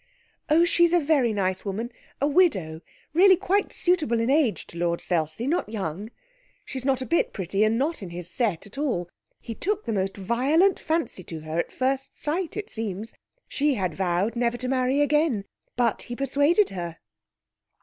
'Oh, she's a very nice woman a widow. Really quite suitable in age to Lord Selsey. Not young. She's not a bit pretty and not in his set at all. He took the most violent fancy to her at first sight, it seems. She had vowed never to marry again, but he persuaded her.'